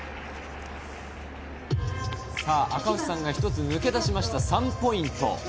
赤星さんが一つ抜け出しました、３ポイント。